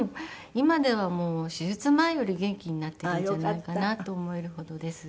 今ではもう手術前より元気になっているんじゃないかなと思えるほどです。